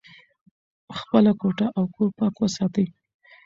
خپله کوټه او کور پاک وساتئ.